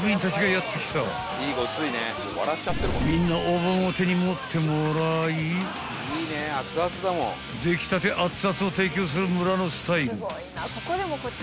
［みんなお盆を手に持ってもらい出来たて熱々を提供する村野スタイル］